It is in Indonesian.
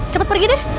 cepet pergi deh